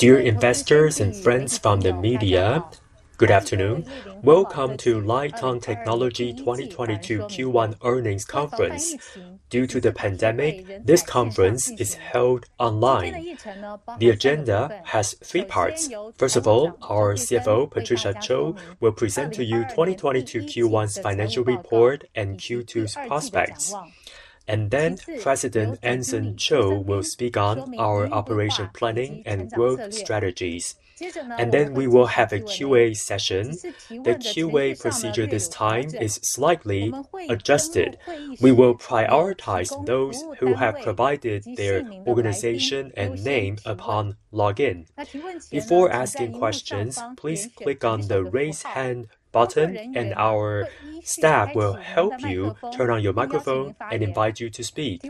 Dear investors and friends from the media, good afternoon. Welcome to Lite-On Technology 2022 Q1 earnings conference. Due to the pandemic, this conference is held online. The agenda has three parts. First of all, our CFO, Patricia Chou, will present to you 2022 Q1's financial report and Q2's prospects. President Anson Chiu will speak on our operation planning and growth strategies. We will have a Q&A session. The Q&A procedure this time is slightly adjusted. We will prioritize those who have provided their organization and name upon login. Before asking questions, please click on the Raise Hand button, and our staff will help you turn on your microphone and invite you to speak.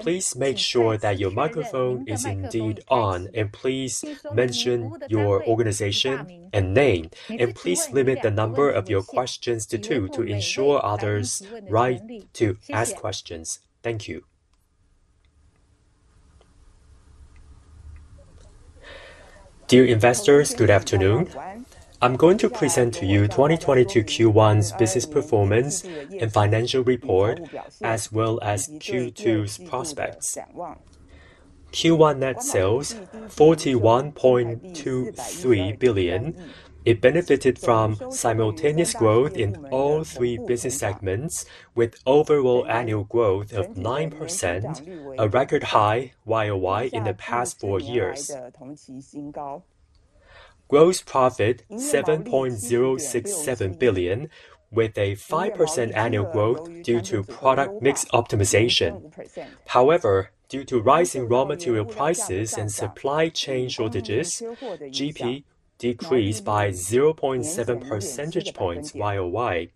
Please make sure that your microphone is indeed on, and please mention your organization and name. Please limit the number of your questions to two to ensure others' right to ask questions. Thank you. Dear investors, good afternoon. I'm going to present to you 2022 Q1's business performance and financial report, as well as Q2's prospects. Q1 net sales 41.23 billion. It benefited from simultaneous growth in all three business segments with overall annual growth of 9%, a record high YoY in the past 4 years. Gross profit 7.067 billion with a 5% annual growth due to product mix optimization. However, due to rising raw material prices and supply chain shortages, GP decreased by 0.7 percentage points YoY.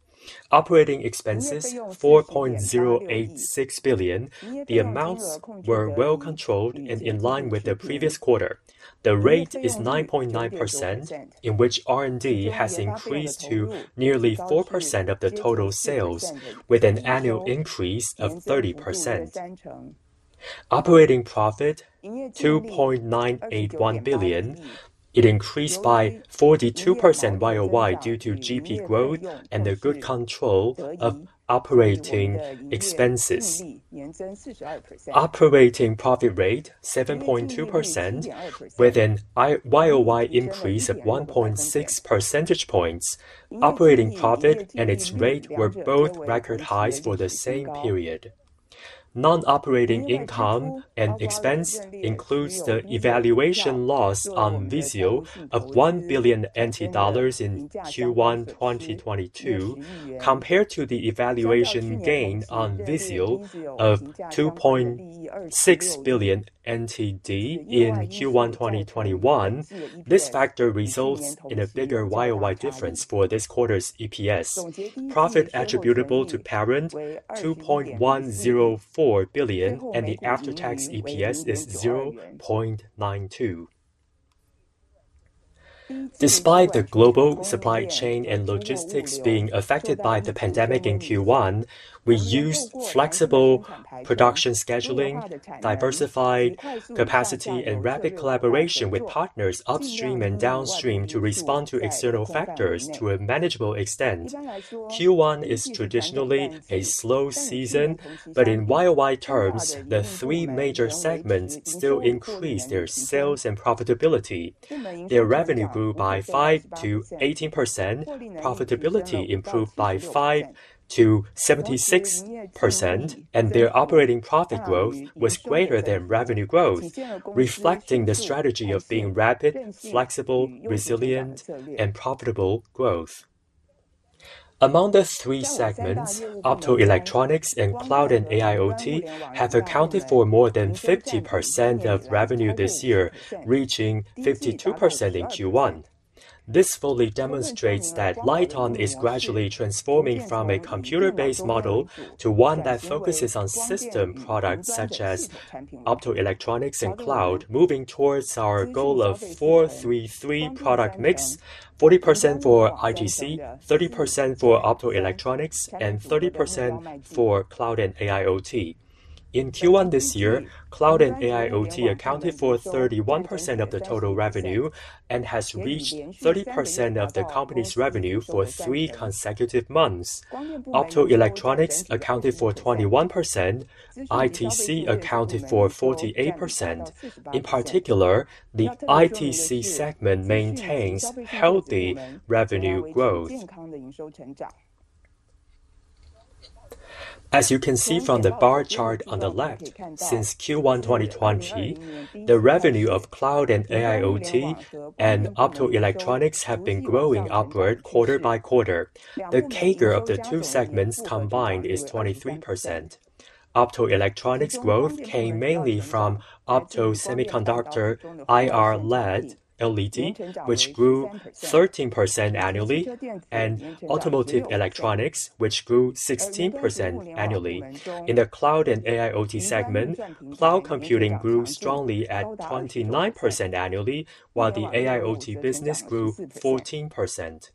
Operating expenses 4.086 billion. The amounts were well controlled and in line with the previous quarter. The rate is 9.9%, in which R&D has increased to nearly 4% of the total sales with an annual increase of 30%. Operating profit NTD 2.981 billion. It increased by 42% YoY due to GP growth and the good control of operating expenses. Operating profit rate 7.2% with a YoY increase of 1.6 percentage points. Operating profit and its rate were both record highs for the same period. Non-operating income and expense includes the evaluation loss on VIZIO of NTD 1 billion in Q1 2022. Compared to the evaluation gain on VIZIO of NTD 2.6 billion in Q1 2021, this factor results in a bigger YoY difference for this quarter's EPS. Profit attributable to parent NTD 2.104 billion, and the after-tax EPS is 0.92. Despite the global supply chain and logistics being affected by the pandemic in Q1, we used flexible production scheduling, diversified capacity, and rapid collaboration with partners upstream and downstream to respond to external factors to a manageable extent. Q1 is traditionally a slow season, but in YoY terms, the three major segments still increased their sales and profitability. Their revenue grew by 5%-18%, profitability improved by 5%-76%, and their operating profit growth was greater than revenue growth, reflecting the strategy of being rapid, flexible, resilient, and profitable growth. Among the three segments, optoelectronics and cloud and AIoT have accounted for more than 50% of revenue this year, reaching 52% in Q1. This fully demonstrates that Lite-On is gradually transforming from a computer-based model to one that focuses on system products such as optoelectronics and cloud, moving towards our goal of 433 product mix, 40% for IT&CE, 30% for optoelectronics, and 30% for cloud and AIoT. In Q1 this year, cloud and AIoT accounted for 31% of the total revenue and has reached 30% of the company's revenue for three consecutive months. Optoelectronics accounted for 21%. IT&CE accounted for 48%. In particular, the IT&CE segment maintains healthy revenue growth. As you can see from the bar chart on the left, since Q1 2020, the revenue of cloud and AIoT and optoelectronics have been growing upward quarter by quarter. The CAGR of the two segments combined is 23%. Optoelectronics growth came mainly from optosemiconductor IR LED, which grew 13% annually, and automotive electronics, which grew 16% annually. In the cloud and AIoT segment, cloud computing grew strongly at 29% annually, while the AIoT business grew 14%.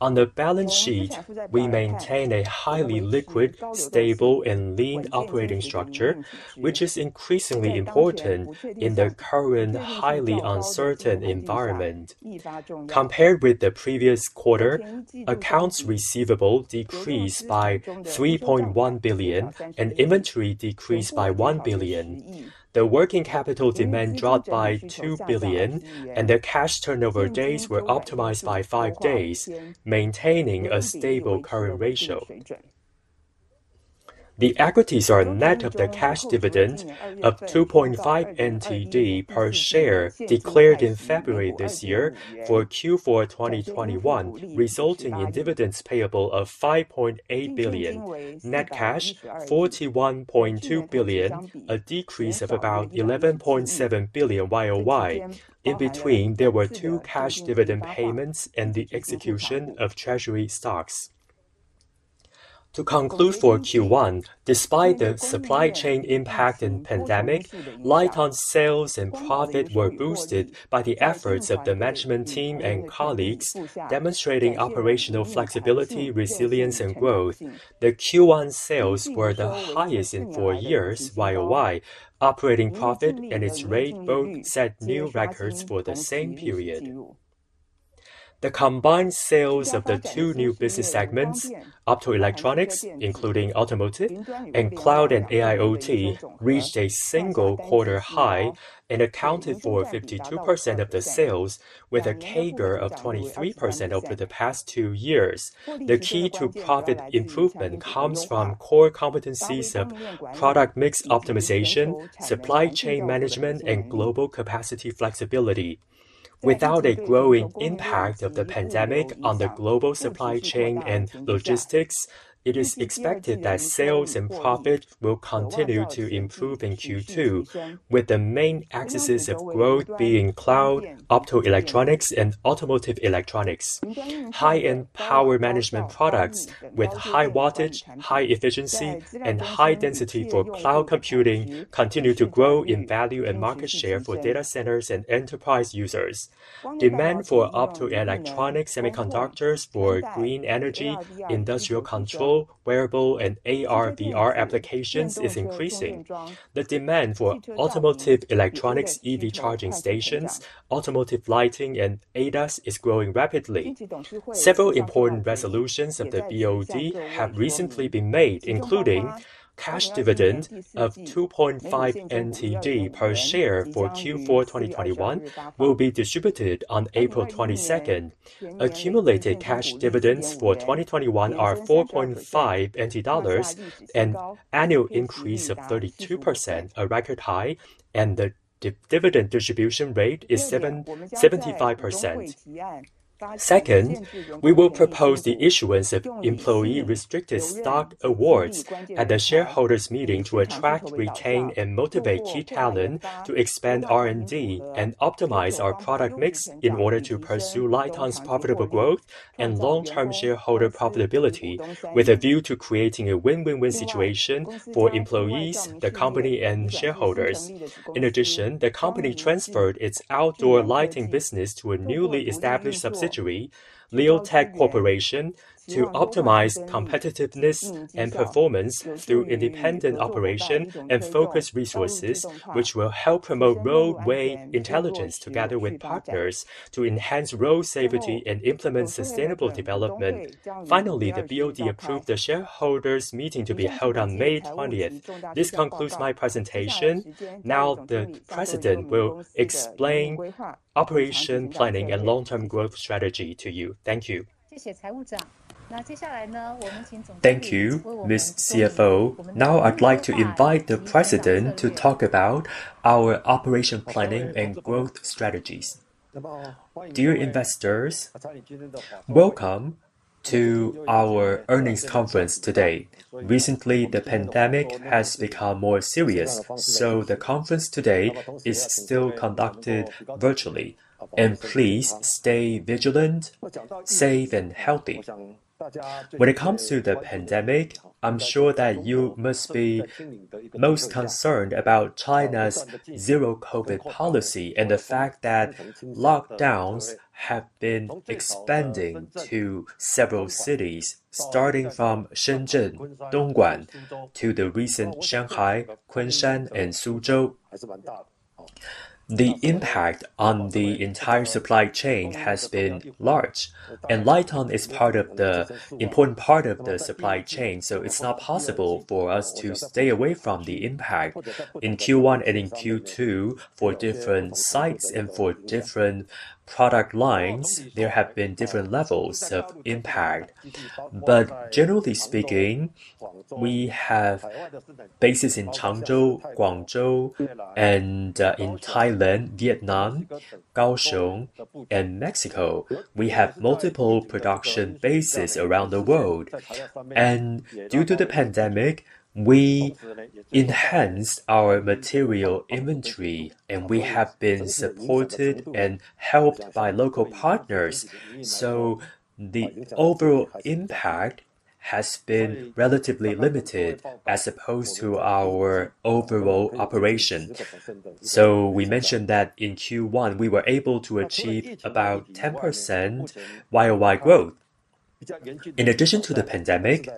On the balance sheet, we maintain a highly liquid, stable and lean operating structure, which is increasingly important in the current highly uncertain environment. Compared with the previous quarter, accounts receivable decreased by 3.1 billion and inventory decreased by 1 billion. The working capital demand dropped by 2 billion and the cash turnover days were optimized by five days, maintaining a stable current ratio. The equities are net of the cash dividend of 2.5 per share declared in February this year for Q4 2021, resulting in dividends payable of 5.8 billion. Net cash 41.2 billion, a decrease of about 11.7 billion YoY. In between, there were two cash dividend payments and the execution of treasury stocks. To conclude for Q1, despite the supply chain impact and pandemic, Lite-On sales and profit were boosted by the efforts of the management team and colleagues, demonstrating operational flexibility, resilience and growth. The Q1 sales were the highest in 4 years YoY. Operating profit and its rate both set new records for the same period. The combined sales of the two new business segments, optoelectronics, including automotive and cloud and AIoT, reached a single quarter high and accounted for 52% of the sales with a CAGR of 23% over the past 2 years. The key to profit improvement comes from core competencies of product mix optimization, supply chain management, and global capacity flexibility. Without a growing impact of the pandemic on the global supply chain and logistics, it is expected that sales and profit will continue to improve in Q2, with the main axes of growth being cloud, optoelectronics, and automotive electronics. High-end power management products with high wattage, high efficiency, and high density for cloud computing continue to grow in value and market share for data centers and enterprise users. Demand for optoelectronic semiconductors for green energy, industrial control, wearable and AR/VR applications is increasing. The demand for automotive electronics, EV charging stations, automotive lighting, and ADAS is growing rapidly. Several important resolutions of the BOD have recently been made, including cash dividend of NTD 2.5 per share for Q4 2021, which will be distributed on April 22nd. Accumulated cash dividends for 2021 are NTD 4.5, an annual increase of 32%, a record high, and the dividend distribution rate is 77.5%. Second, we will propose the issuance of employee restricted stock awards at the shareholders' meeting to attract, retain, and motivate key talent to expand R&D and optimize our product mix in order to pursue Lite-On's profitable growth and long-term shareholder profitability, with a view to creating a win-win-win situation for employees, the company, and shareholders. In addition, the company transferred its outdoor lighting business to a newly established subsidiary, Leotek Corporation, to optimize competitiveness and performance through independent operation and focus resources, which will help promote roadway intelligence together with partners to enhance road safety and implement sustainable development. Finally, the BOD approved the shareholders' meeting to be held on May twentieth. This concludes my presentation. Now, the President will explain operation planning and long-term growth strategy to you. Thank you. Thank you, Ms. CFO. Now, I'd like to invite the president to talk about our operational planning and growth strategies. Dear investors, welcome to our earnings conference today. Recently, the pandemic has become more serious, so the conference today is still conducted virtually. Please stay vigilant, safe and healthy. When it comes to the pandemic, I'm sure that you must be most concerned about China's Zero-COVID policy and the fact that lockdowns have been expanding to several cities, starting from Shenzhen, Dongguan to the recent Shanghai, Kunshan and Suzhou. The impact on the entire supply chain has been large, and Lite-On is an important part of the supply chain, so it's not possible for us to stay away from the impact. In Q1 and in Q2, for different sites and for different product lines, there have been different levels of impact. Generally speaking, we have bases in Changzhou, Guangzhou and in Thailand, Vietnam, Kaohsiung, and Mexico. We have multiple production bases around the world, and due to the pandemic, we enhanced our material inventory, and we have been supported and helped by local partners. The overall impact has been relatively limited as opposed to our overall operation. We mentioned that in Q1, we were able to achieve about 10% YoY growth. In addition to the pandemic,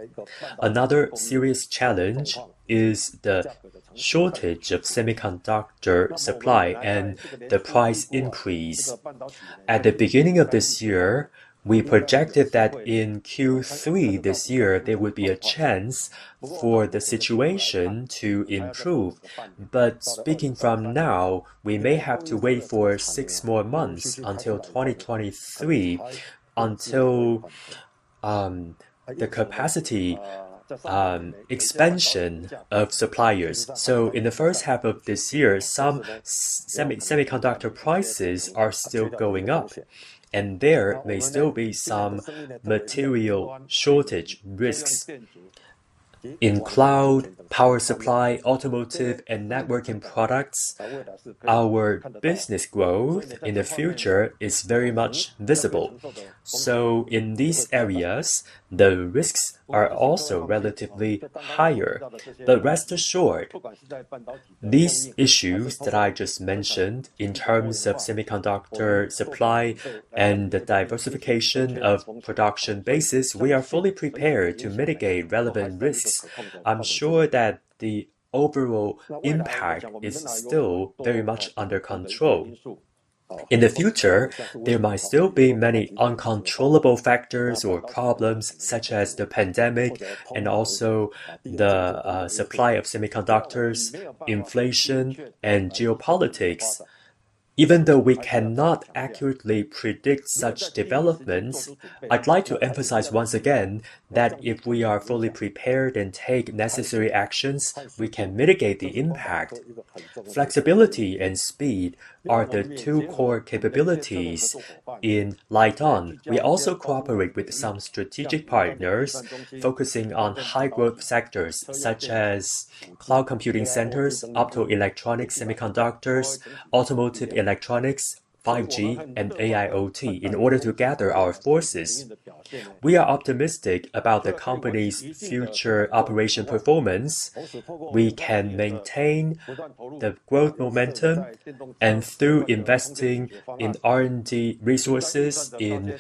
another serious challenge is the shortage of semiconductor supply and the price increase. At the beginning of this year, we projected that in Q3 this year, there would be a chance for the situation to improve. Speaking from now, we may have to wait for six more months until 2023 until the capacity expansion of suppliers. In the first half of this year, some semiconductor prices are still going up, and there may still be some material shortage risks. In cloud, power supply, automotive and networking products, our business growth in the future is very much visible. In these areas, the risks are also relatively higher. Rest assured, these issues that I just mentioned in terms of semiconductor supply and the diversification of production bases, we are fully prepared to mitigate relevant risks. I'm sure that the overall impact is still very much under control. In the future, there might still be many uncontrollable factors or problems, such as the pandemic and also the supply of semiconductors, inflation and geopolitics. Even though we cannot accurately predict such developments, I'd like to emphasize once again that if we are fully prepared and take necessary actions, we can mitigate the impact. Flexibility and speed are the two core capabilities in Lite-On. We also cooperate with some strategic partners focusing on high growth sectors such as cloud computing centers, optoelectronic semiconductors, automotive electronics, 5G and AIoT in order to gather our forces. We are optimistic about the company's future operation performance. We can maintain the growth momentum and through investing in R&D resources in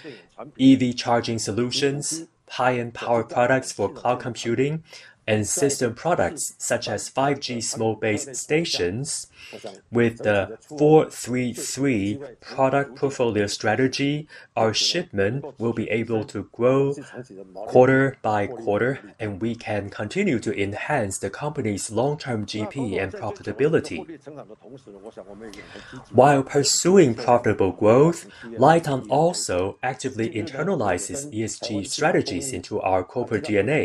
EV charging solutions, high-end power products for cloud computing and system products such as 5G small base stations. With the 433 product portfolio strategy, our shipment will be able to grow quarter by quarter, and we can continue to enhance the company's long term GP and profitability. While pursuing profitable growth, Lite-On also actively internalizes ESG strategies into our corporate DNA.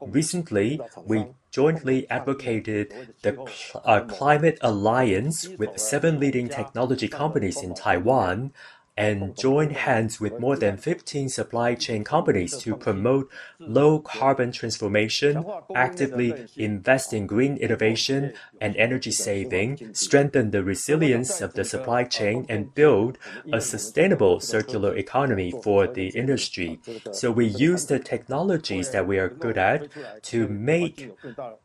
Recently, we jointly advocated the climate alliance with seven leading technology companies in Taiwan and joined hands with more than 15 supply chain companies to promote low carbon transformation, actively invest in green innovation and energy saving, strengthen the resilience of the supply chain, and build a sustainable circular economy for the industry. We use the technologies that we are good at to make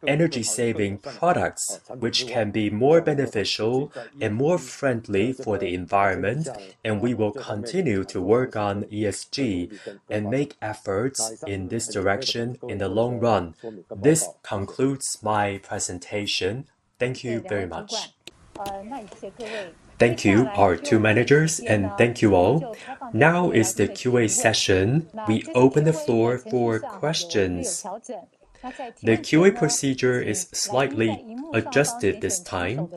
energy-saving products, which can be more beneficial and more friendly for the environment, and we will continue to work on ESG and make efforts in this direction in the long run. This concludes my presentation. Thank you very much. Thank you, our two managers, and thank you all. Now is the QA session. We open the floor for questions. The QA procedure is slightly adjusted this time.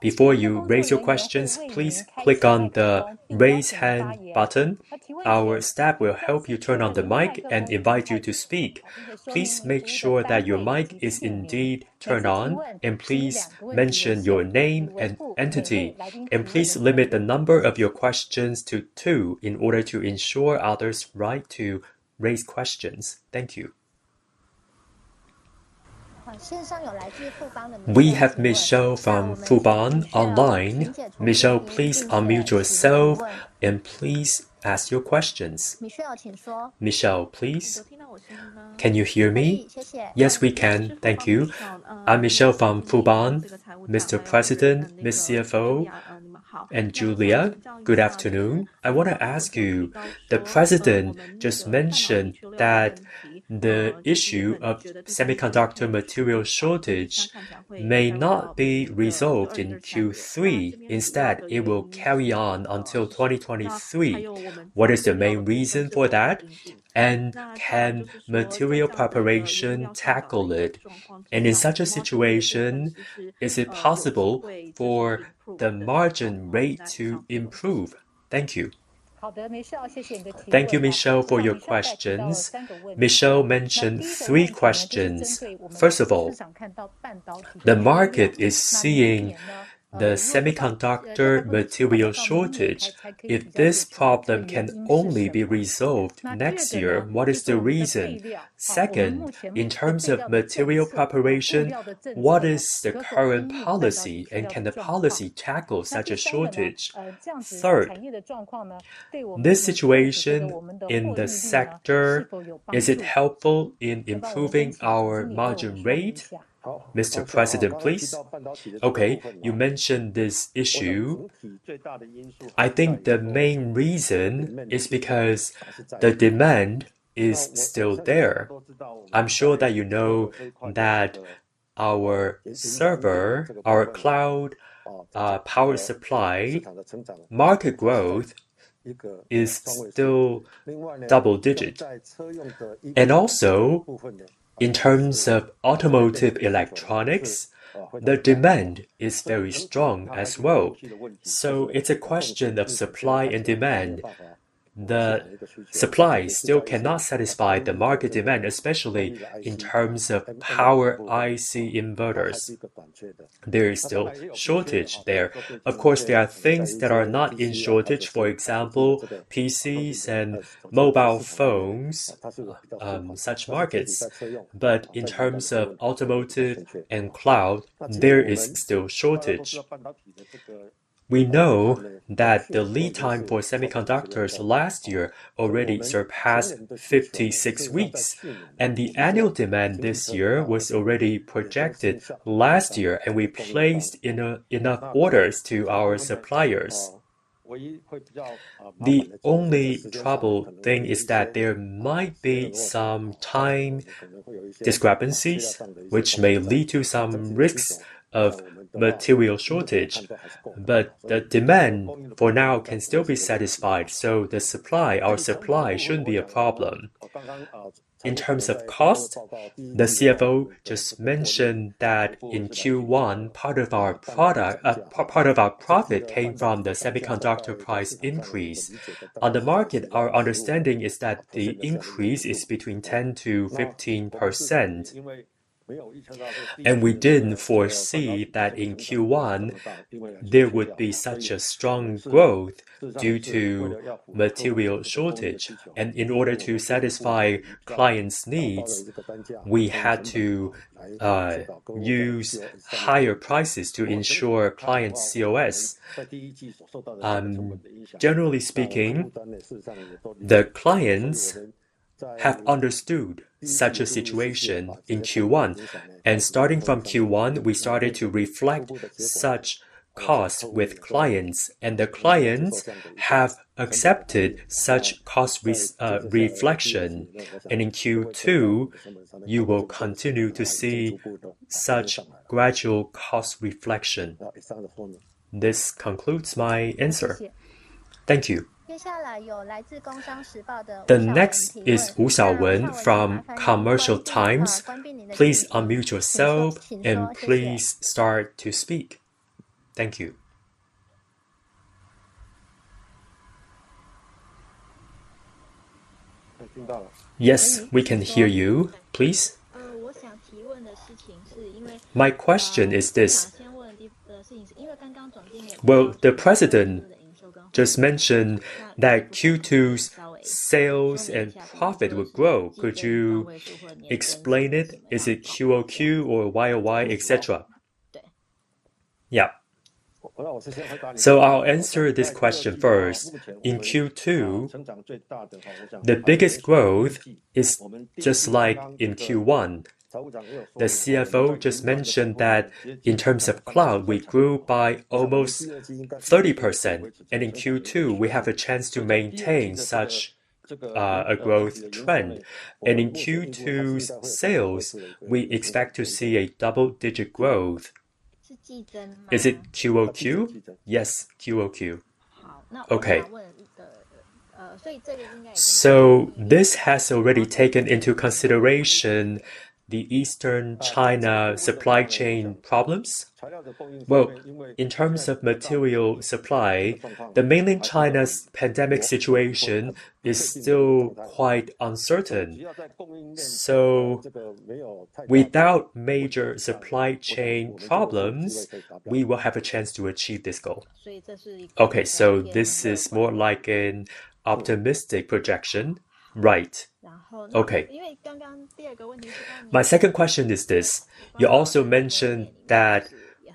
Before you raise your questions, please click on the raise hand button. Our staff will help you turn on the mic and invite you to speak. Please make sure that your mic is indeed turned on, and please mention your name and entity. Please limit the number of your questions to 2 in order to ensure others' right to raise questions. Thank you. We have Michelle from Fubon online. Michelle, please unmute yourself and please ask your questions. Michelle, please. Can you hear me? Yes, we can. Thank you. I'm Michelle from Fubon. Mr. President, Miss CFO, and Julia, good afternoon. I want to ask you, the President just mentioned that the issue of semiconductor material shortage may not be resolved in Q3. Instead, it will carry on until 2023. What is the main reason for that? And can material preparation tackle it? And in such a situation, is it possible for the margin rate to improve? Thank you. Thank you, Michelle, for your questions. Michelle mentioned three questions. First of all, the market is seeing the semiconductor material shortage, if this problem can only be resolved next year, what is the reason? Second, in terms of material preparation, what is the current policy, and can the policy tackle such a shortage? Third, this situation in the sector, is it helpful in improving our margin rate? Mr. President, please. Okay. You mentioned this issue. I think the main reason is because the demand is still there. I'm sure that you know that our server, our cloud, power supply market growth is still double digit. And also, in terms of automotive electronics, the demand is very strong as well. It's a question of supply and demand. The supply still cannot satisfy the market demand, especially in terms of power IC inverters. There is still shortage there. Of course, there are things that are not in shortage, for example, PCs and mobile phones, such markets. In terms of automotive and cloud, there is still shortage. We know that the lead time for semiconductors last year already surpassed 56 weeks, and the annual demand this year was already projected last year, and we placed enough orders to our suppliers. The only trouble then is that there might be some time discrepancies, which may lead to some risks of material shortage. The demand for now can still be satisfied, so the supply, our supply shouldn't be a problem. In terms of cost, the CFO just mentioned that in Q1, part of our profit came from the semiconductor price increase. On the market, our understanding is that the increase is between 10%-15%. We didn't foresee that in Q1 there would be such a strong growth due to material shortage. In order to satisfy clients' needs, we had to use higher prices to ensure clients' COGS. Generally speaking, the clients have understood such a situation in Q1, and starting from Q1, we started to reflect such costs with clients, and the clients have accepted such cost reflection. In Q2, you will continue to see such gradual cost reflection. This concludes my answer. Thank you. The next is Wu Xiaowen from Commercial Times. Please unmute yourself, and please start to speak. Thank you. Yes, we can hear you. Please. My question is this. Well, the president just mentioned that Q2's sales and profit would grow. Could you explain it? Is it QoQ or YoY, et cetera? Yeah. I'll answer this question first. In Q2, the biggest growth is just like in Q1. The CFO just mentioned that in terms of cloud, we grew by almost 30%, and in Q2, we have a chance to maintain such a growth trend. In Q2's sales, we expect to see a double-digit growth. Is it QoQ? Yes, QoQ. Okay. This has already taken into consideration the Eastern China supply chain problems? Well, in terms of material supply, the mainland China's pandemic situation is still quite uncertain. Without major supply chain problems, we will have a chance to achieve this goal. Okay, this is more like an optimistic projection? Right. Okay. My second question is this. You also mentioned that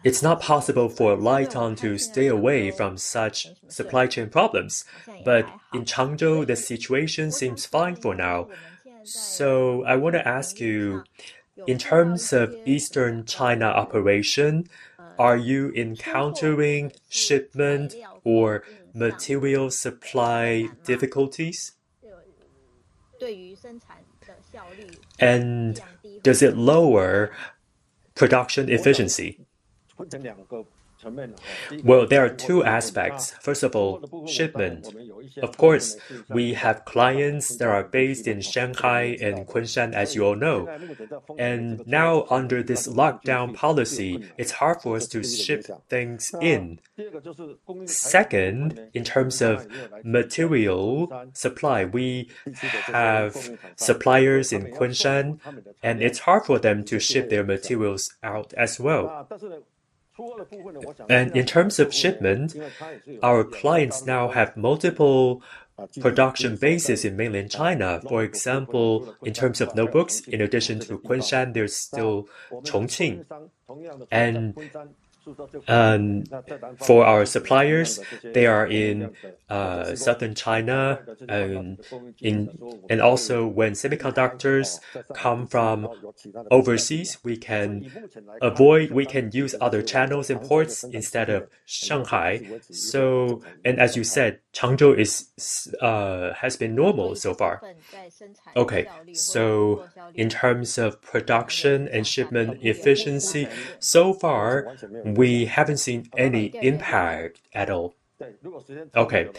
it's not possible for Lite-On to stay away from such supply chain problems, but in Changzhou, the situation seems fine for now. I want to ask you, in terms of Eastern China operation, are you encountering shipment or material supply difficulties? Does it lower production efficiency? Well, there are two aspects. First of all, shipment. Of course, we have clients that are based in Shanghai and Kunshan, as you all know. Now under this lockdown policy, it's hard for us to ship things in. Second, in terms of material supply, we have suppliers in Kunshan, and it's hard for them to ship their materials out as well. In terms of shipment, our clients now have multiple production bases in mainland China. For example, in terms of notebooks, in addition to Kunshan, there's still Chongqing. For our suppliers, they are in southern China. And also when semiconductors come from overseas, we can use other channels and ports instead of Shanghai. As you said, Changzhou has been normal so far. Okay. In terms of production and shipment efficiency, so far we haven't seen any impact at all. Okay.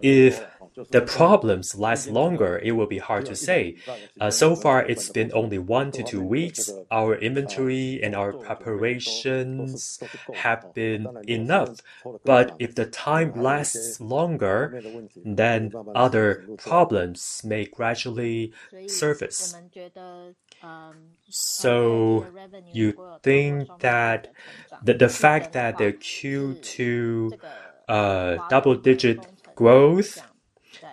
If the problems last longer, it will be hard to say. So far it's been only 1-2 weeks. Our inventory and our preparations have been enough. If the time lasts longer, then other problems may gradually surface. You think that the fact that the Q2 double digit growth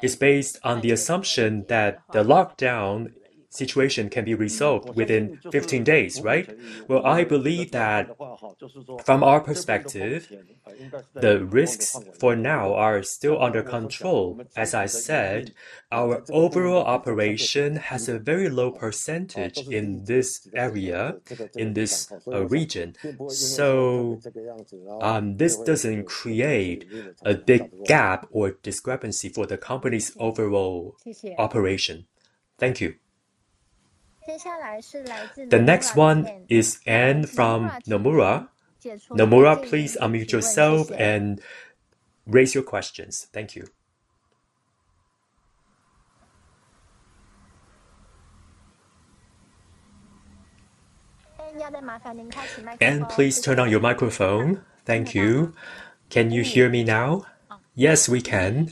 is based on the assumption that the lockdown situation can be resolved within 15 days, right? Well, I believe that from our perspective, the risks for now are still under control. As I said, our overall operation has a very low percentage in this area, in this region. This doesn't create a big gap or discrepancy for the company's overall operation. Thank you. The next one is Anne from Nomura. Nomura, please unmute yourself and raise your questions. Thank you. Anne, please turn on your microphone. Thank you. Can you hear me now? Yes, we can.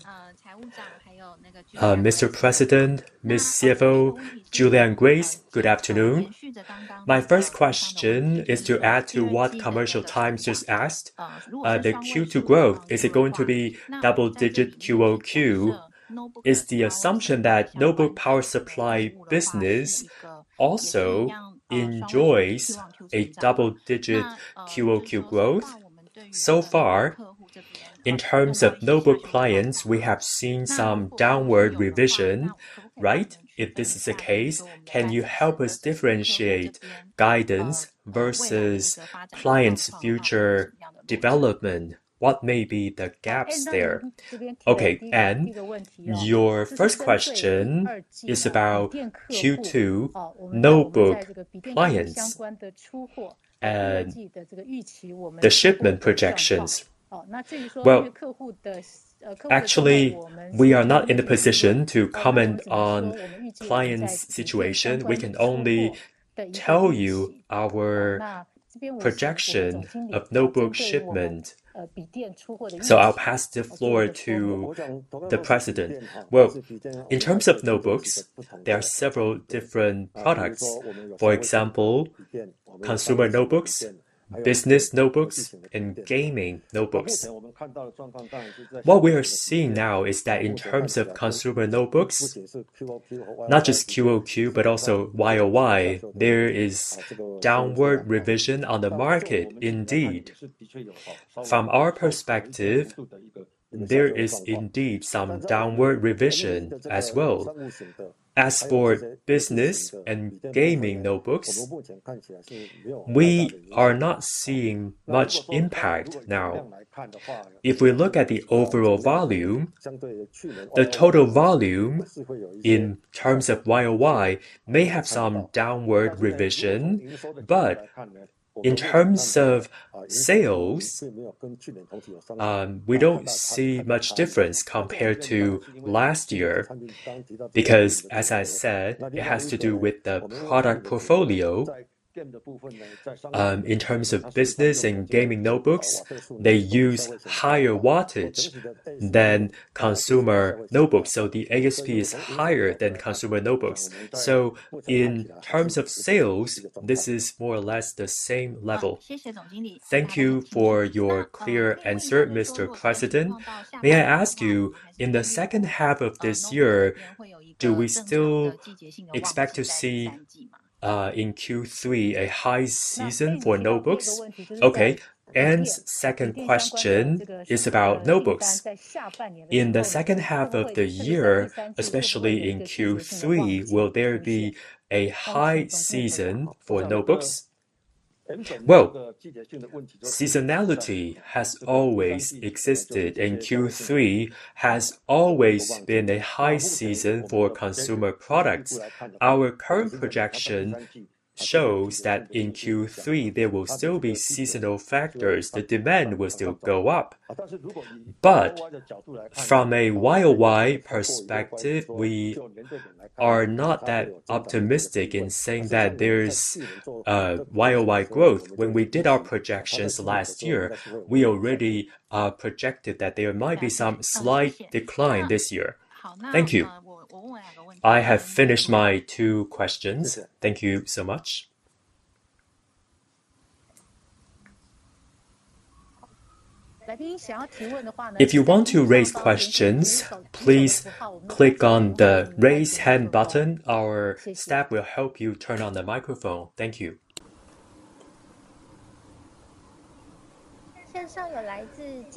Mr. President, Ms. CFO, Julia, and Grace, good afternoon. My first question is to add to what Commercial Times just asked. The Q2 growth, is it going to be double-digit QoQ? Is the assumption that notebook power supply business also enjoys a double-digit QoQ growth? So far, in terms of notebook clients, we have seen some downward revision, right? If this is the case, can you help us differentiate guidance versus clients' future development? What may be the gaps there? Okay. Anne, your first question is about Q2 notebook clients and the shipment projections. Well, actually, we are not in a position to comment on clients' situation. We can only tell you our projection of notebook shipment. I'll pass the floor to the president. Well, in terms of notebooks, there are several different products. For example, consumer notebooks, business notebooks, and gaming notebooks. What we are seeing now is that in terms of consumer notebooks, not just QoQ, but also YoY, there is downward revision on the market indeed. From our perspective, there is indeed some downward revision as well. As for business and gaming notebooks, we are not seeing much impact now. If we look at the overall volume, the total volume in terms of YoY may have some downward revision, but in terms of sales, we don't see much difference compared to last year because as I said, it has to do with the product portfolio. In terms of business and gaming notebooks, they use higher wattage than consumer notebooks, so the ASP is higher than consumer notebooks. In terms of sales, this is more or less the same level. Thank you for your clear answer, Mr. President. May I ask you, in the second half of this year, do we still expect to see, in Q3 a high season for notebooks? Okay. Anne's second question is about notebooks. In the second half of the year, especially in Q3, will there be a high season for notebooks? Well, seasonality has always existed, and Q3 has always been a high season for consumer products. Our current projection shows that in Q3, there will still be seasonal factors. The demand will still go up. From a YoY perspective, we are not that optimistic in saying that there's a YoY growth. When we did our projections last year, we already projected that there might be some slight decline this year. Thank you. I have finished my two questions. Thank you so much. If you want to raise questions, please click on the Raise Hand button. Our staff will help you turn on the microphone. Thank you.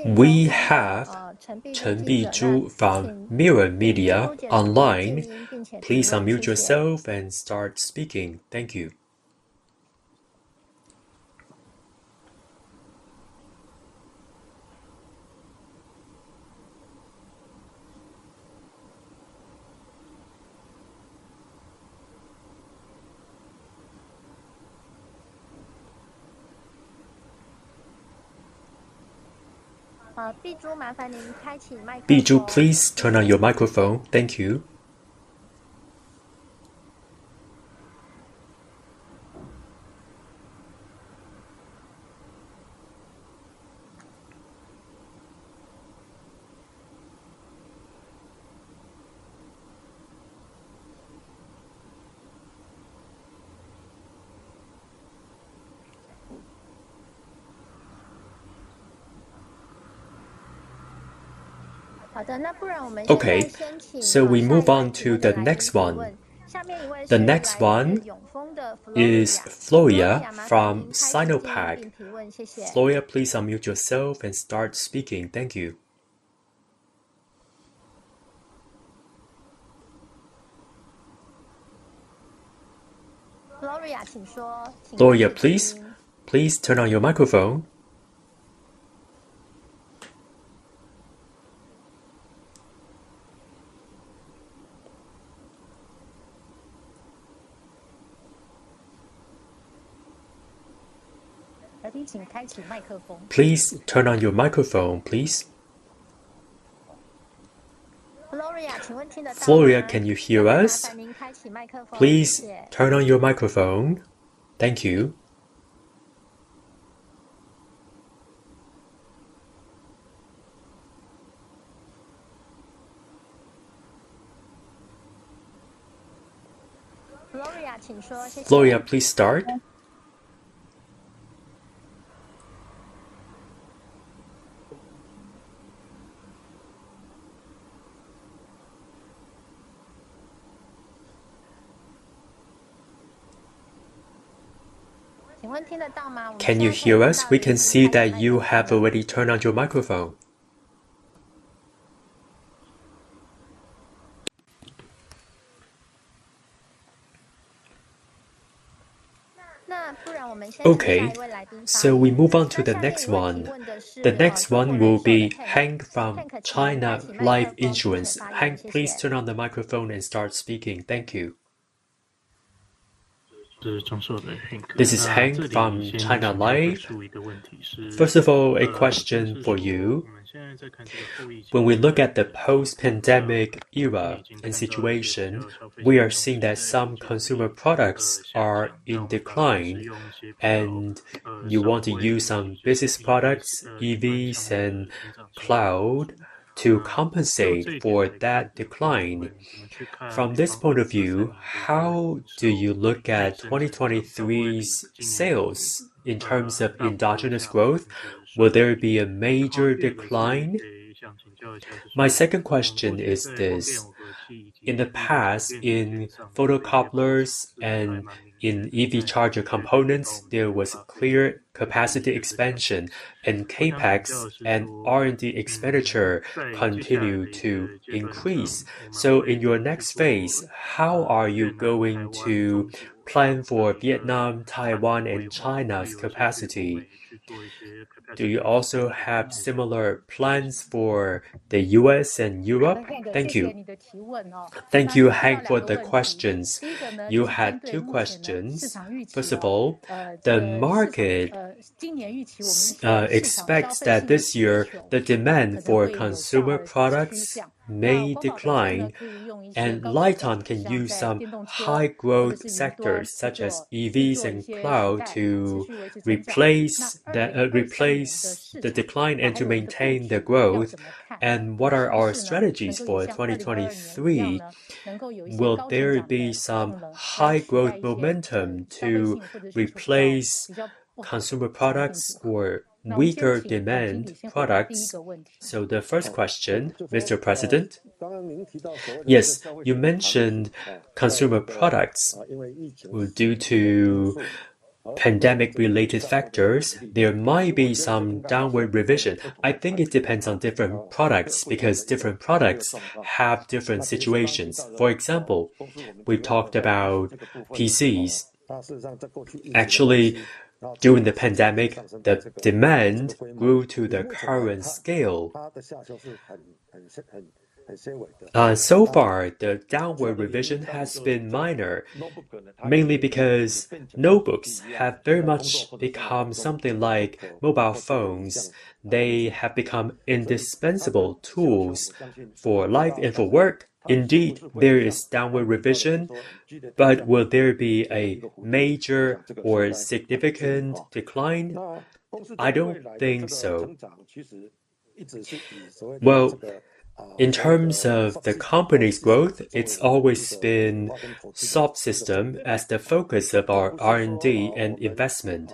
We have Chen Pi-ju from Mirror Media online. Please unmute yourself and start speaking. Thank you. Bijou, please turn on your microphone. Thank you. Okay. We move on to the next one. The next one is Floria from SinoPac. Floria, please unmute yourself and start speaking. Thank you. Floria, please. Please turn on your microphone. Please turn on your microphone, please. Floria, can you hear us? Please turn on your microphone. Thank you. Floria, please start. Can you hear us? We can see that you have already turned on your microphone. Okay. We move on to the next one. The next one will be Hank from China Life Insurance. Hank, please turn on the microphone and start speaking. Thank you. This is Hank from China Life. First of all, a question for you. When we look at the post-pandemic era and situation, we are seeing that some consumer products are in decline, and you want to use some business products, EVs and cloud to compensate for that decline. From this point of view, how do you look at 2023's sales in terms of endogenous growth? Will there be a major decline? My second question is this. In the past, in photocouplers and in EV charger components, there was clear capacity expansion, and CapEx and R&D expenditure continued to increase. In your next phase, how are you going to plan for Vietnam, Taiwan, and China's capacity? Do you also have similar plans for the US and Europe? Thank you. Thank you, Hank, for the questions. You had two questions. First of all, the market expects that this year the demand for consumer products may decline, and Lite-On can use some high growth sectors such as EVs and cloud to replace the decline and to maintain the growth. What are our strategies for 2023? Will there be some high growth momentum to replace consumer products or weaker demand products? The first question, Mr. President. Yes. You mentioned consumer products due to pandemic related factors, there might be some downward revision. I think it depends on different products because different products have different situations. For example, we talked about PCs. Actually, during the pandemic, the demand grew to the current scale. So far, the downward revision has been minor, mainly because notebooks have very much become something like mobile phones. They have become indispensable tools for life and for work. Indeed, there is downward revision, but will there be a major or significant decline? I don't think so. Well, in terms of the company's growth, it's always been system products as the focus of our R&D and investment.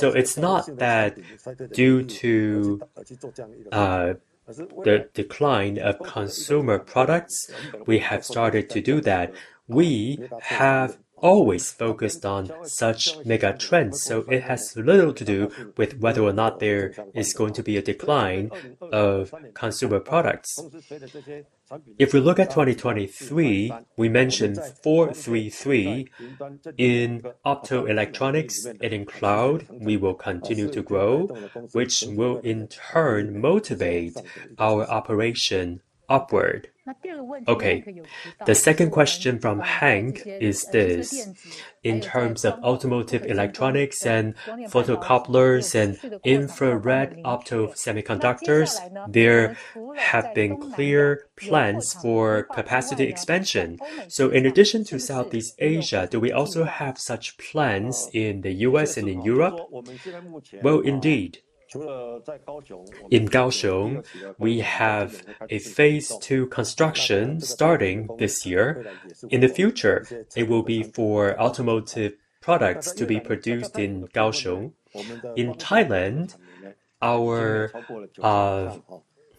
It's not that due to the decline of consumer products, we have started to do that. We have always focused on such mega trends, so it has little to do with whether or not there is going to be a decline of consumer products. If we look at 2023, we mentioned 433 in optoelectronics and in cloud, we will continue to grow, which will in turn motivate our operation upward. Okay. The second question from Hank is this. In terms of automotive electronics and photocouplers and infrared optosemiconductors, there have been clear plans for capacity expansion. In addition to Southeast Asia, do we also have such plans in the US and in Europe? Well, indeed. In Kaohsiung, we have a phase two construction starting this year. In the future, it will be for automotive products to be produced in Kaohsiung. In Thailand, our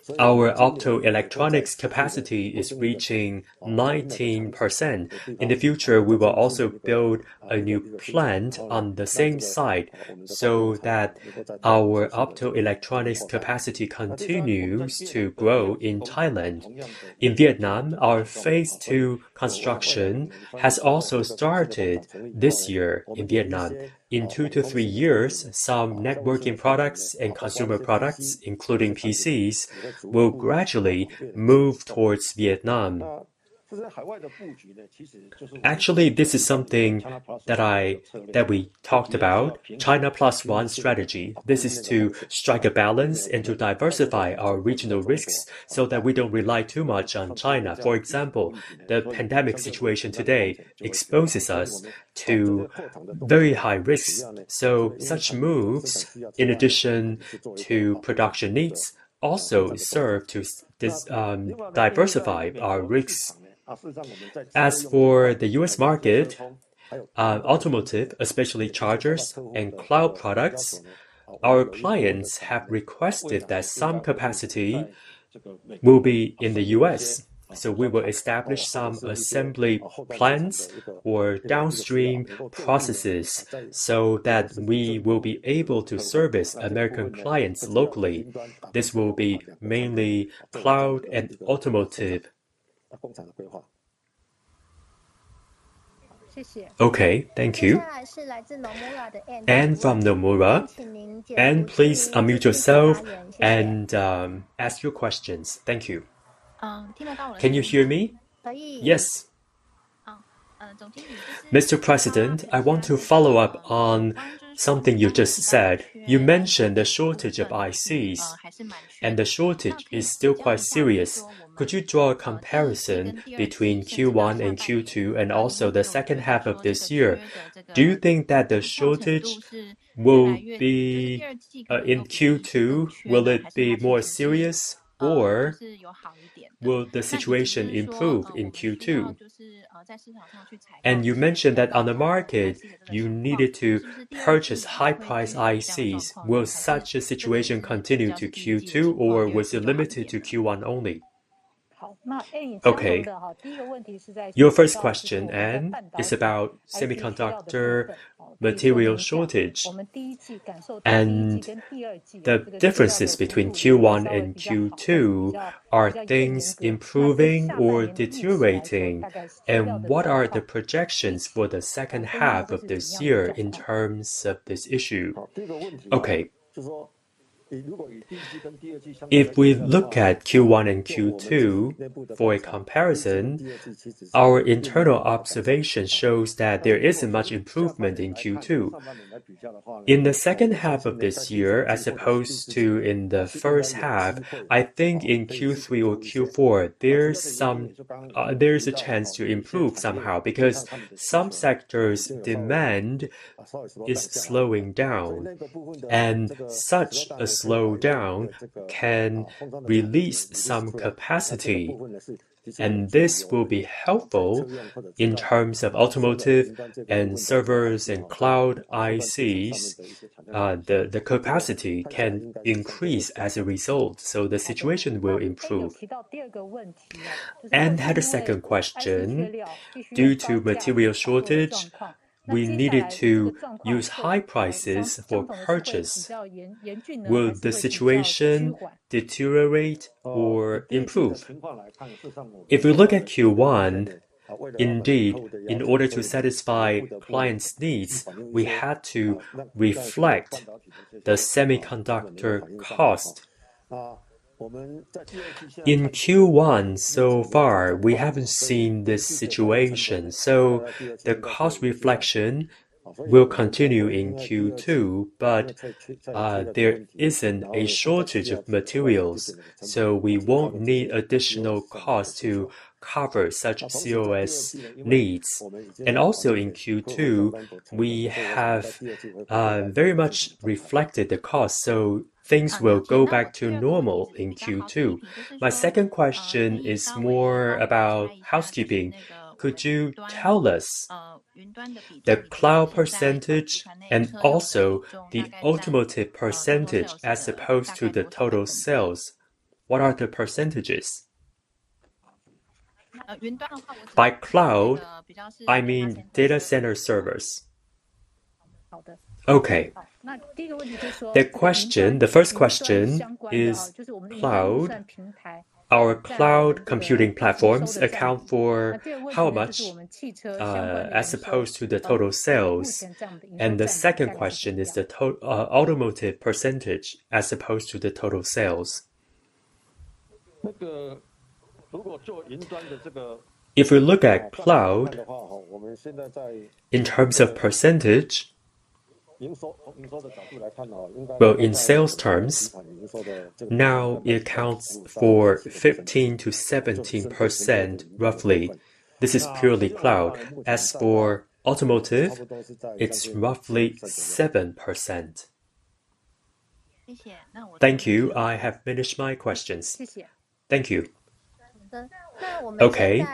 optoelectronics capacity is reaching 19%. In the future, we will also build a new plant on the same site so that our optoelectronics capacity continues to grow in Thailand. In Vietnam, our phase two construction has also started this year in Vietnam. In 2-3 years, some networking products and consumer products, including PCs, will gradually move towards Vietnam. Actually, this is something that we talked about, China plus one strategy. This is to strike a balance and to diversify our regional risks so that we don't rely too much on China. For example, the pandemic situation today exposes us to very high risks. Such moves, in addition to production needs, also serve to diversify our risks. As for the US market, automotive, especially chargers and cloud products, our clients have requested that some capacity will be in the US We will establish some assembly plants or downstream processes so that we will be able to service American clients locally. This will be mainly cloud and automotive. Okay. Thank you. Anne from Nomura. Anne, please unmute yourself and ask your questions. Thank you. Can you hear me? Yes. Mr. President, I want to follow up on something you just said. You mentioned the shortage of ICs, and the shortage is still quite serious. Could you draw a comparison between Q1 and Q2 and also the second half of this year? Do you think that the shortage will be in Q2? Will it be more serious, or will the situation improve in Q2? And you mentioned that on the market you needed to purchase high-price ICs. Will such a situation continue to Q2, or was it limited to Q1 only? Okay. Your first question, Anne, is about semiconductor material shortage and the differences between Q1 and Q2. Are things improving or deteriorating? And what are the projections for the second half of this year in terms of this issue? Okay. If we look at Q1 and Q2 for a comparison, our internal observation shows that there isn't much improvement in Q2. In the second half of this year, as opposed to in the first half, I think in Q3 or Q4, there's a chance to improve somehow because some sectors' demand is slowing down, and such a slowdown can release some capacity, and this will be helpful in terms of automotive and servers and cloud ICs. The capacity can increase as a result, so the situation will improve. Anne had a second question. Due to material shortage, we needed to use high prices for purchase. Will the situation deteriorate or improve? If we look at Q1, indeed, in order to satisfy clients' needs, we had to reflect the semiconductor cost. In Q1 so far, we haven't seen this situation, so the cost reflection will continue in Q2, but there isn't a shortage of materials, so we won't need additional costs to cover such COGS needs. Also in Q2, we have very much reflected the cost, so things will go back to normal in Q2. My second question is more about housekeeping. Could you tell us the cloud percentage and also the automotive percentage as opposed to the total sales? What are the percentages? By cloud, I mean data center servers. Okay. The first question is cloud. Our cloud computing platforms account for how much as opposed to the total sales? The second question is the automotive percentage as opposed to the total sales. If we look at cloud, in terms of percentage, well, in sales terms, now it accounts for 15%-17% roughly. This is purely cloud. As for automotive, it's roughly 7%. Thank you. I have finished my questions. Thank you. Okay.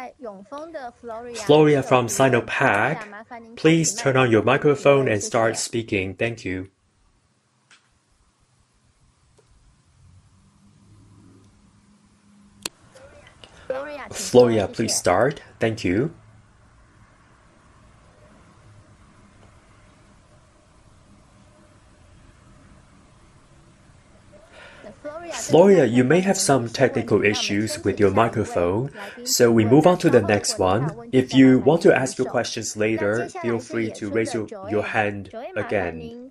Floria from SinoPac, please turn on your microphone and start speaking. Thank you. Floria, please start. Thank you. Floria, you may have some technical issues with your microphone, so we move on to the next one. If you want to ask your questions later, feel free to raise your hand again.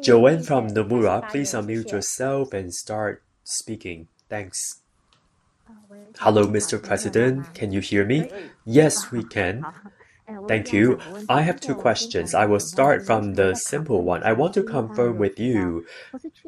Joanne from Nomura, please unmute yourself and start speaking. Thanks. Hello, Mr. President, can you hear me? Yes, we can. Thank you. I have two questions. I will start from the simple one. I want to confirm with you,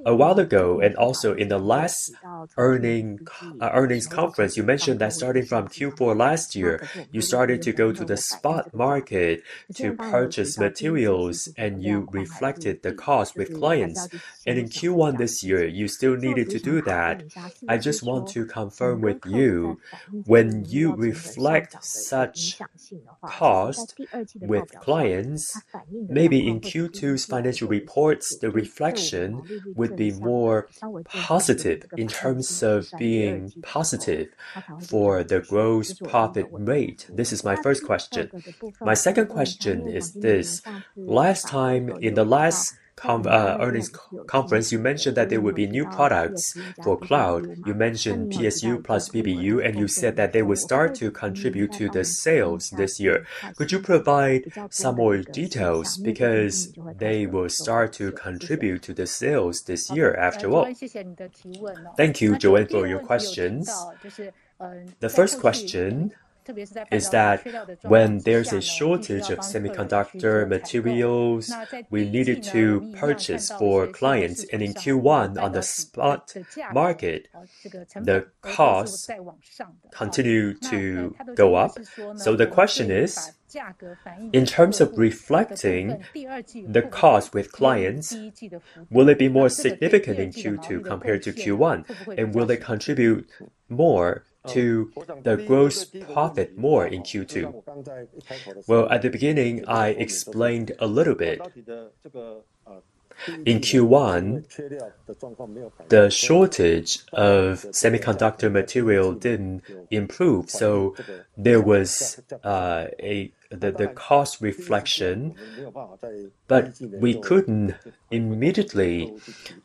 a while ago, and also in the last earnings conference, you mentioned that starting from Q4 last year, you started to go to the spot market to purchase materials, and you reflected the cost with clients. In Q1 this year, you still needed to do that. I just want to confirm with you, when you reflect such cost with clients, maybe in Q2's financial reports, the reflection would be more positive in terms of being positive for the gross profit rate. This is my first question. My second question is this. Last time, in the last earnings conference, you mentioned that there would be new products for cloud. You mentioned PSU plus PBU, and you said that they would start to contribute to the sales this year. Could you provide some more details? Because they will start to contribute to the sales this year after all. Thank you, Joanne, for your questions. The first question is that when there's a shortage of semiconductor materials, we needed to purchase for clients. In Q1, on the spot market, the costs continued to go up. The question is, in terms of reflecting the cost with clients, will it be more significant in Q2 compared to Q1, and will it contribute more to the gross profit in Q2? Well, at the beginning, I explained a little bit. In Q1, the shortage of semiconductor material didn't improve, so there was the cost reflection, but we couldn't immediately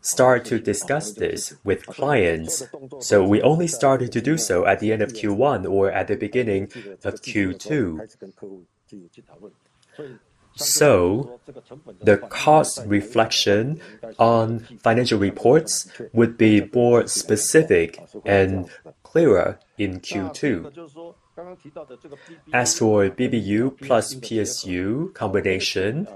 start to discuss this with clients. We only started to do so at the end of Q1 or at the beginning of Q2. The cost reflection on financial reports would be more specific and clearer in Q2. As for PBU plus PSU combination,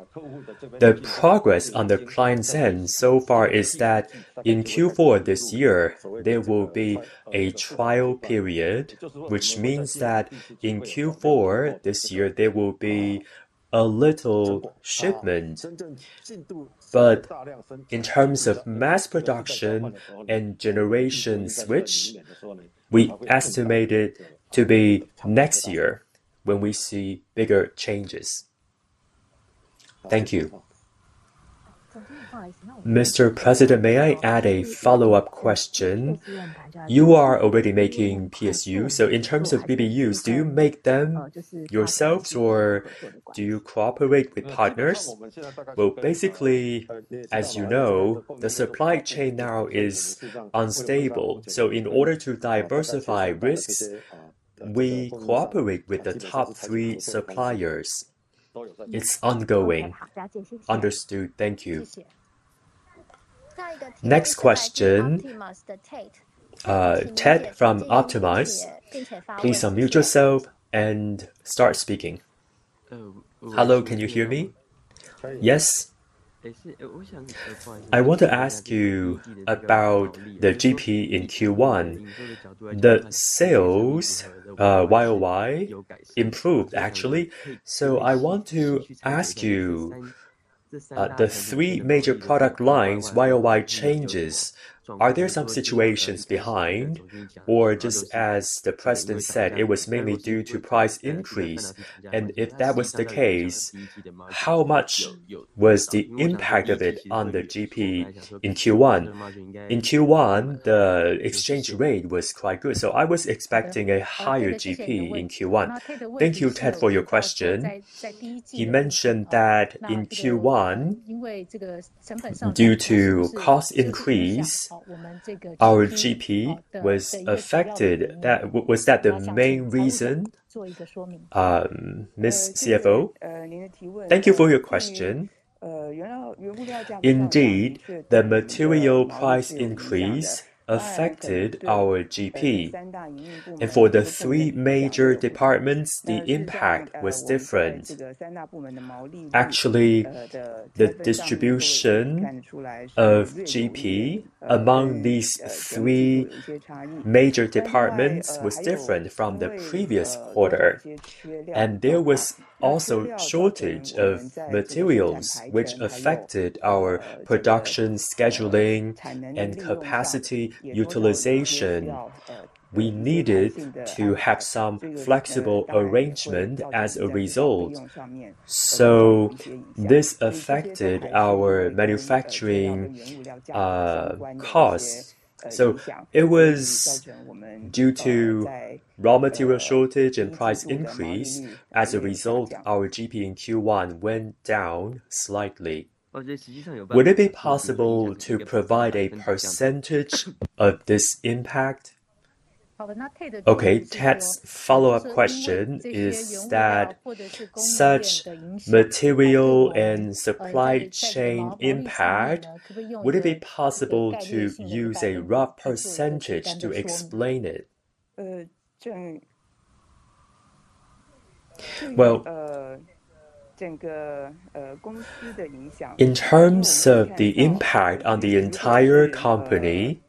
the progress on the client side so far is that in Q4 this year, there will be a trial period, which means that in Q4 this year, there will be a little shipment. In terms of mass production and generation switch, we estimate it to be next year when we see bigger changes. Thank you. Mr. President, may I add a follow-up question? You are already making PSU, so in terms of PBUs, do you make them yourselves or do you cooperate with partners? Well, basically, as you know, the supply chain now is unstable. In order to diversify risks, we cooperate with the top three suppliers. It's ongoing. Understood. Thank you. Next question, Ted from Optimas, please unmute yourself and start speaking. Hello, can you hear me? Yes. I want to ask you about the GP in Q1. The sales YoY improved actually. I want to ask you the three major product lines YoY changes. Are there some situations behind or just as the president said it was mainly due to price increase? And if that was the case, how much was the impact of it on the GP in Q1? In Q1, the exchange rate was quite good. I was expecting a higher GP in Q1. Thank you, Ted, for your question. You mentioned that in Q1 due to cost increase, our GP was affected. Was that the main reason, Miss CFO? Thank you for your question. Indeed, the material price increase affected our GP. For the three major departments, the impact was different. Actually, the distribution of GP among these three major departments was different from the previous quarter. There was also shortage of materials, which affected our production scheduling and capacity utilization. We needed to have some flexible arrangement as a result. This affected our manufacturing costs. It was due to raw material shortage and price increase, as a result, our GP in Q1 went down slightly. Would it be possible to provide a percentage of this impact? Okay. Ted's follow-up question is that such material and supply chain impact, would it be possible to use a rough percentage to explain it? Well, in terms of the impact on the entire company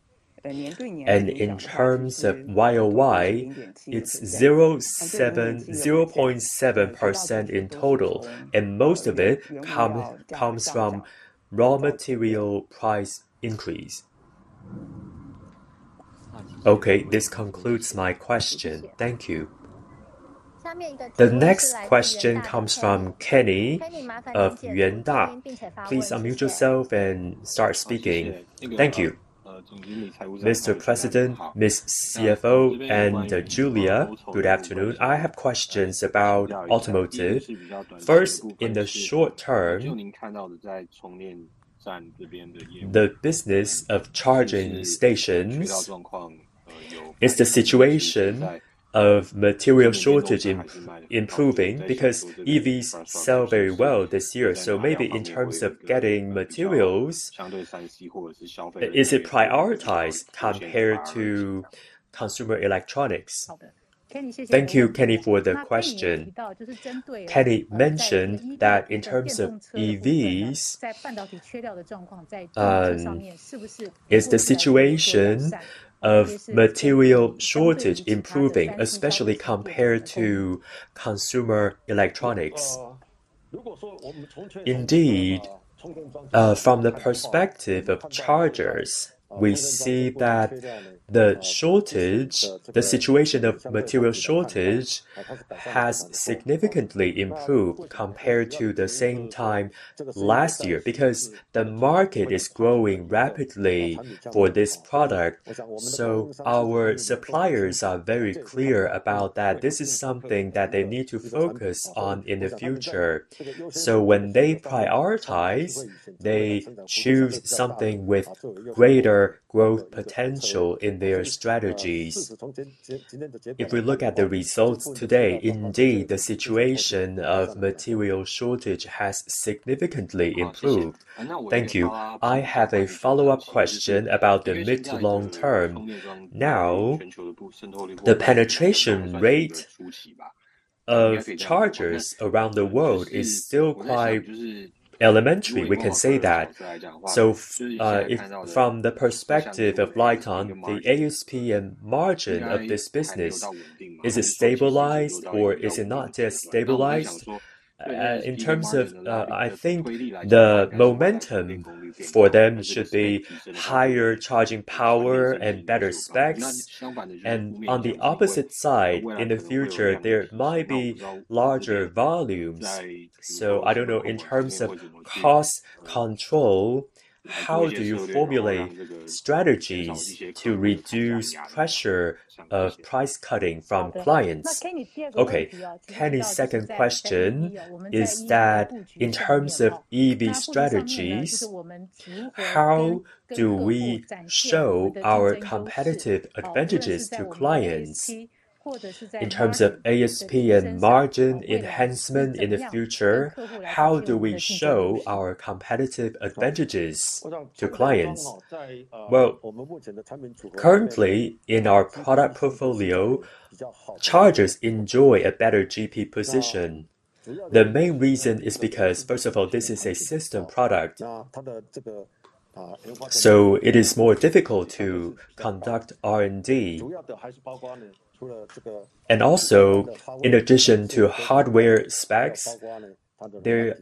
and in terms of YoY, it's 0.7% in total, and most of it comes from raw material price increase. Okay. This concludes my question. Thank you. The next question comes from Kenny of Yuanta. Please unmute yourself and start speaking. Thank you. Mr. President, Miss CFO and Julia, good afternoon. I have questions about automotive. First, in the short term, the business of charging stations, is the situation of material shortage improving? Because EVs sell very well this year, so maybe in terms of getting materials, is it prioritized compared to consumer electronics? Thank you, Kenny, for the question. Kenny mentioned that in terms of EVs, is the situation of material shortage improving, especially compared to consumer electronics? Indeed, from the perspective of chargers, we see that the situation of material shortage has significantly improved compared to the same time last year because the market is growing rapidly for this product. Our suppliers are very clear about that. This is something that they need to focus on in the future. When they prioritize, they choose something with greater growth potential in their strategies. If we look at the results today, indeed the situation of material shortage has significantly improved. Thank you. I have a follow-up question about the mid to long term. Now, the penetration rate of chargers around the world is still quite elementary, we can say that. If from the perspective of Lite-On, the ASP and margin of this business, is it stabilized or is it not yet stabilized? In terms of, I think the momentum for them should be higher charging power and better specs. On the opposite side, in the future, there might be larger volumes. I don't know, in terms of cost control, how do you formulate strategies to reduce pressure of price cutting from clients? Okay. Kenny's second question is that in terms of EV strategies, how do we show our competitive advantages to clients? In terms of ASP and margin enhancement in the future, how do we show our competitive advantages to clients? Well, currently in our product portfolio, chargers enjoy a better GP position. The main reason is because, first of all, this is a system product, so it is more difficult to conduct R&D. Also, in addition to hardware specs, there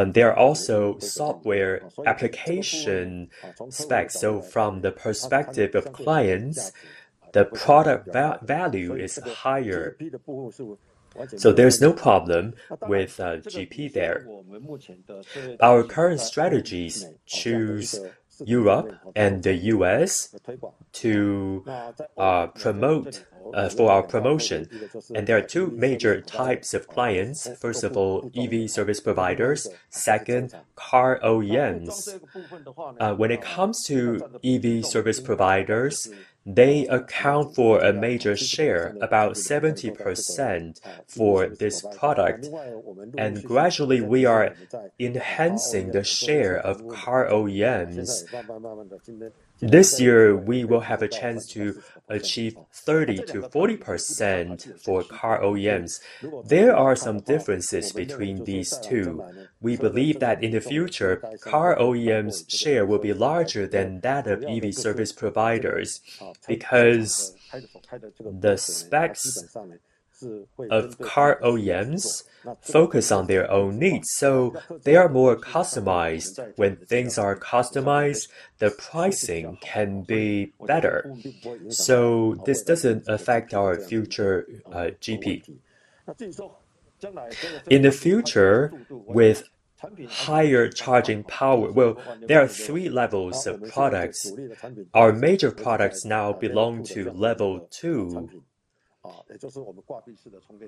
are also software application specs. So from the perspective of clients, the product value is higher. So there's no problem with GP there. Our current strategies choose Europe and the US to promote for our promotion. There are two major types of clients. First of all, EV service providers. Second, car OEMs. When it comes to EV service providers, they account for a major share, about 70% for this product. Gradually we are enhancing the share of car OEMs. This year, we will have a chance to achieve 30%-40% for car OEMs. There are some differences between these two. We believe that in the future, car OEM's share will be larger than that of EV service providers because the specs of car OEMs focus on their own needs, so they are more customized. When things are customized, the pricing can be better. This doesn't affect our future, GP. In the future with higher charging power. Well, there are three levels of products. Our major products now belong to level 2.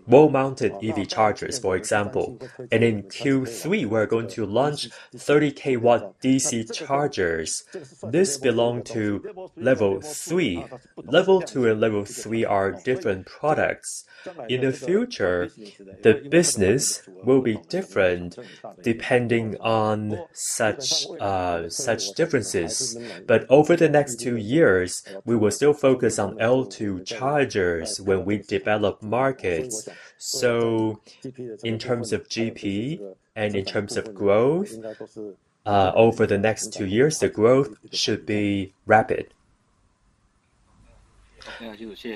Wall-mounted EV chargers, for example. In Q3, we're going to launch 30 kW DC chargers. This belong to level 3. Level two and level three are different products. In the future, the business will be different depending on such differences. Over the next two years, we will still focus on L2 chargers when we develop markets. In terms of GP and in terms of growth, over the next two years, the growth should be rapid.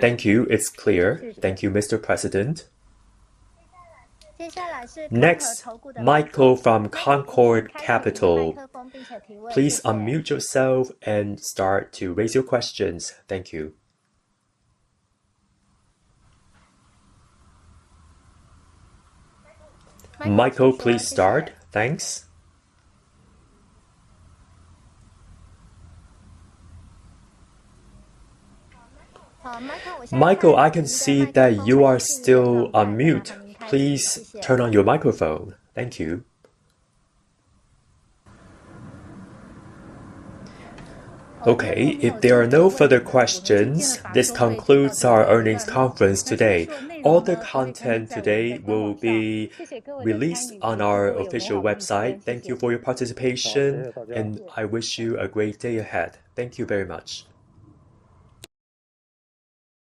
Thank you. It's clear. Thank you, Mr. President. Next, Michael from Concord Capital. Please unmute yourself and start to raise your questions. Thank you. Michael, please start. Thanks. Michael, I can see that you are still on mute. Please turn on your microphone. Thank you. Okay. If there are no further questions, this concludes our earnings conference today. All the content today will be released on our official website. Thank you for your participation, and I wish you a great day ahead. Thank you very much.